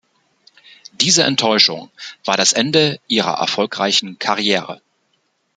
Diese Enttäuschung war das Ende ihrer erfolgreichen Karriere.